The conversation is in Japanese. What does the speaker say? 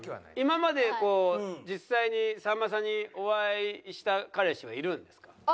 今までこう実際にさんまさんにお会いした彼氏はいるんですか？